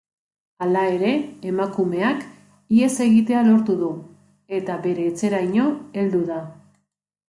Hala ere, emakumeak ihes egitea lortu du eta bere etxeraino heldu da.